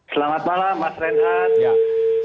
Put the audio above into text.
selamat malam mas renhan